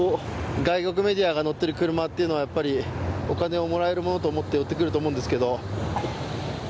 外国メディアが乗っている車というのはお金をもらえるものと思って寄ってくると思うんですけれども。